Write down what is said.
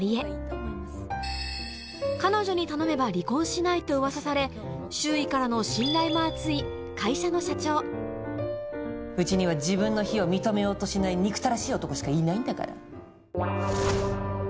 主人公はと噂され周囲からの信頼も厚いうちには自分の非を認めようとしない憎たらしい男しかいないんだから。